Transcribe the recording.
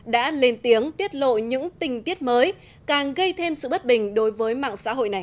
đã lên tiếng tiết lộ những tình tiết mới càng gây thêm sự bất bình đối với mạng xã hội này